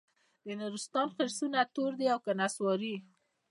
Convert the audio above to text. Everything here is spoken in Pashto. د نورستان خرسونه تور دي که نسواري؟